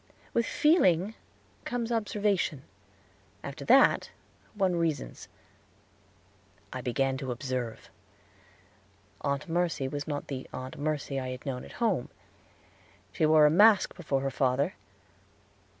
With feeling comes observation; after that, one reasons. I began to observe. Aunt Mercy was not the Aunt Merce I had known at home. She wore a mask before her father.